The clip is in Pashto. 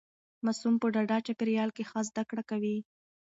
ماسوم په ډاډه چاپیریال کې ښه زده کړه کوي.